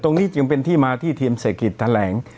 ตรงนี้จึงมีทีมเศรษฐกิจแหลง